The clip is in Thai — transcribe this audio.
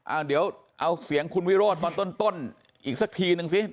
เอาเดี๋ยวเอาเสียงคุณวิโรธตอนต้นอีกสักทีนึงสิ